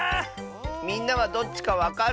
みんなはどっちかわかる？